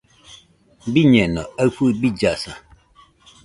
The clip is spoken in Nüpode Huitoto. Biñeno aɨfɨ billasa.